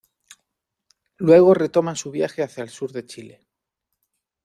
Luego retoman su viaje hacia el sur de Chile.